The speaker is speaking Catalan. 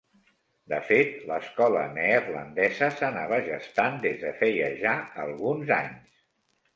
De fet, l'escola neerlandesa s'anava gestant des de feia ja alguns anys.